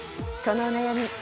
そのお悩み